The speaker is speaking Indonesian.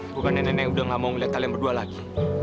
bukan nenek nenek udah gak mau ngeliat kalian berdua lagi